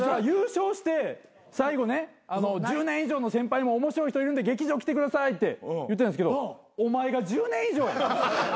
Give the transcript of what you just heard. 優勝して最後ね１０年以上の先輩も面白い人いるんで劇場来てくださいって言ったんですけどお前が１０年以上や。